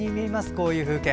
こういう風景。